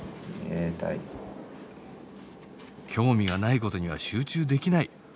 興味がないことには集中できない。